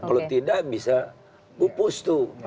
kalau tidak bisa pupus tuh